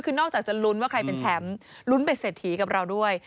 คือนอกจากจะลุ้นว่าใครเป็นแชมป์ลุ้นเป็นเศรษฐีกับเราด้วย